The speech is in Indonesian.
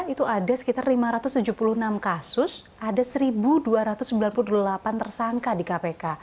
itu ada sekitar lima ratus tujuh puluh enam kasus ada satu dua ratus sembilan puluh delapan tersangka di kpk